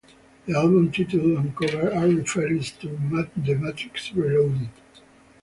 The album title and cover are references to "The Matrix Reloaded".